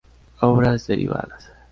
Obras derivadas.